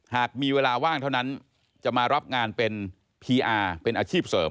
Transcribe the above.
หากมีเวลาว่างเท่านั้นจะมารับงานเป็นพีอาร์เป็นอาชีพเสริม